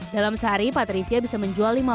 dalam sehari patricia bisa menjual